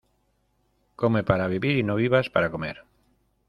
Come para vivir y no vivas para comer.